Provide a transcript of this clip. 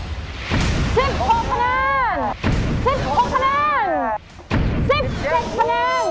รวมทั้งหมดนะคะ